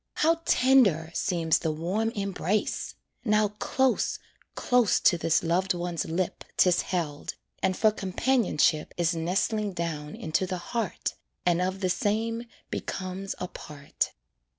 How tender seems the warm embrace! Now close, close to this loved one's lip 'Tis held, and for companionship Is nestling down into the heart, And of the same becomes a part.